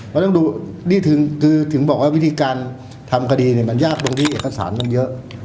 มันต้องดูนี่คือถึงบอกว่าวิธีการทำคดีเนี่ยมันยากตรงที่เอกสารมันเยอะ